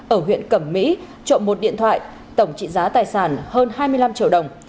ở huyện cẩm mỹ trộm một điện thoại tổng trị giá tài sản hơn hai mươi năm triệu đồng